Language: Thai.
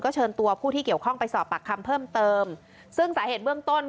เชิญตัวผู้ที่เกี่ยวข้องไปสอบปากคำเพิ่มเติมซึ่งสาเหตุเบื้องต้น